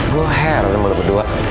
gua hair sama lu berdua